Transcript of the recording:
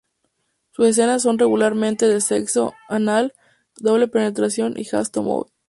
Sus escenas son regularmente de sexo anal, doble penetración y "ass to mouth".